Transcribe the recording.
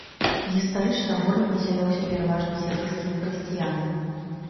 Гістарычна горад насяляўся пераважна сірыйскімі хрысціянамі.